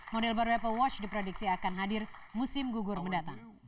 model baru apple watch diprediksi akan hadir musim gugur mendatang